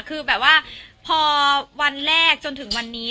คือแบบว่าพอวันแรกจนถึงวันนี้